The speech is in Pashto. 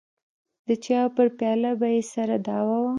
د چايو پر پياله به يې سره دعوه وه.